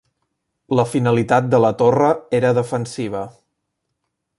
La finalitat de la torre era defensiva.